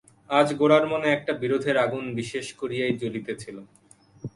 আজ গোরার মনে একটা বিরোধের আগুন বিশেষ করিয়াই জ্বলিতেছিল।